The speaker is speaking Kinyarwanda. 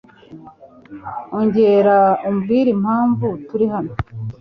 Ongera umbwire impamvu turi hano.